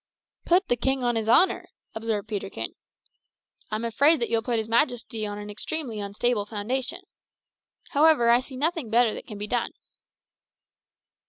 "Put the king on his honour!" observed Peterkin. "I'm afraid that you'll put his majesty on an extremely unstable foundation. However, I see nothing better that can be done."